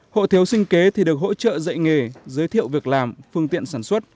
hộ thiếu sinh kế thì được hỗ trợ dạy nghề giới thiệu việc làm phương tiện sản xuất